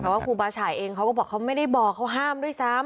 เพราะว่าครูบาฉายเองเขาก็บอกเขาไม่ได้บอกเขาห้ามด้วยซ้ำ